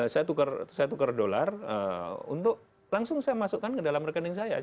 saya tukar dolar untuk langsung saya masukkan ke dalam rekening saya